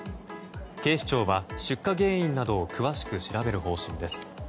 警視庁は、出火原因などを詳しく調べる方針です。